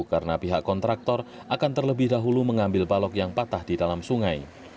karena pihak kontraktor akan terlebih dahulu mengambil balok yang patah di dalam sungai